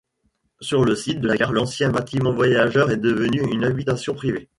Sur le site de la gare, l'ancien bâtiment voyageurs est devenu une habitation privée.